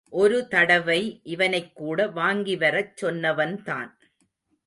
ஒருதடவை இவனைக்கூட வாங்கிவரச் சொன்னவன்தான்.